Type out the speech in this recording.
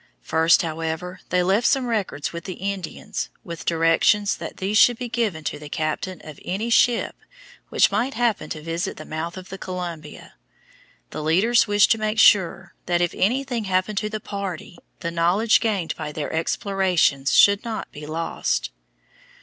First, however, they left some records with the Indians, with directions that these should be given to the captain of any ship which might happen to visit the mouth of the Columbia. The leaders wished to make sure that if anything happened to the party the knowledge gained by their explorations should not be lost.